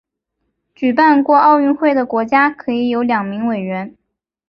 举办过奥运会的国家可以有两名委员。